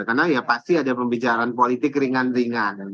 karena ya pasti ada pembicaraan politik ringan ringan